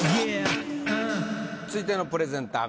続いてのプレゼンター